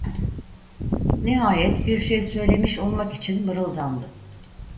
Nihayet bir şey söylemiş olmak için mırıldandı: